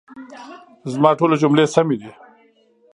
زما ټولي جملې سمي دي؟